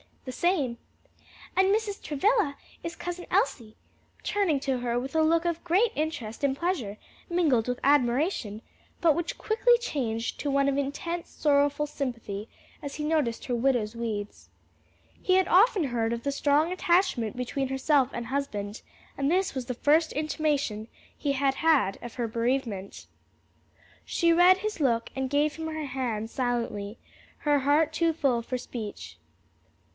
"The same." "And Mrs. Travilla is Cousin Elsie?" turning to her with a look of great interest and pleasure mingled with admiration; but which quickly changed to one of intense, sorrowful sympathy as he noticed her widow's weeds. He had often heard of the strong attachment between herself and husband, and this was the first intimation he had had of her bereavement. She read his look and gave him her hand silently, her heart too full for speech.